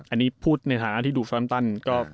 อันนี้พูดในฐานะที่ดูแรมตัน